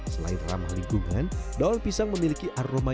selain ramah lingkungan daun pisang memiliki aroma